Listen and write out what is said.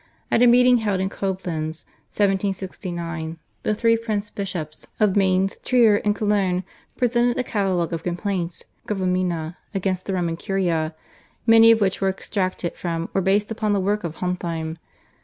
At a meeting held in Coblenz (1769) the three Prince bishops of Mainz, Trier, and Cologne presented a catalogue of complaints (/Gravamina/) against the Roman Curia, many of which were extracted from or based upon the work of Hontheim.